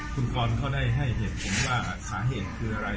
คุณกรได้ให้เหตุศนสาเหตุคืออะไร